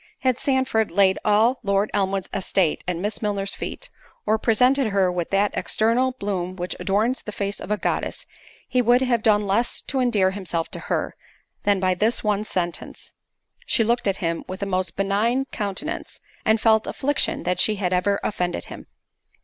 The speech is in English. Had Sandford laid all Lord Elmwood's estate at Miss Milner's feet, or presented her with that eternal bloom which adorns the face of a goddess, he would have done less to endear himself to her, than by this one sentence—she looked at him with a most benign countenance, and felt affliction that she had ever offended him.